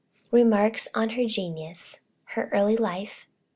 REMARKS ON HER GENIUS. HER EARLY LIFE.